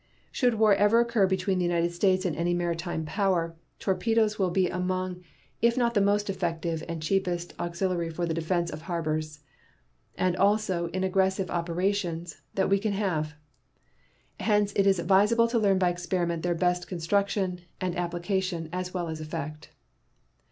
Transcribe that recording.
Should war ever occur between the United States and any maritime power, torpedoes will be among if not the most effective and cheapest auxiliary for the defense of harbors, and also in aggressive operations, that we can have. Hence it is advisable to learn by experiment their best construction and application, as well as effect.